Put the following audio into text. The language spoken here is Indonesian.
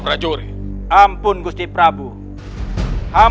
beras rotong kalian